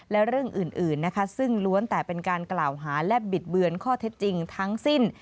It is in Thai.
และเรื่องอื่นนะคะซึ่งล้วนแต่เป็นการกล่าวหาและบิดเบือนข้อเท็จจริงทั้งสิ้น